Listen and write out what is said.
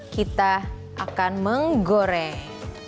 kita akan menggoreng